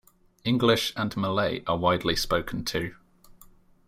English and Malay are widely spoken too.